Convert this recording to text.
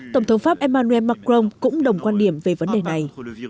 tổng thống pháp emmanuel macron cũng đồng quan điểm về vấn đề này